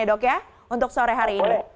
ya dok ya untuk sore hari ini